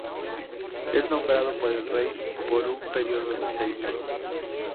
Es nombrado por el rey por un período de seis años.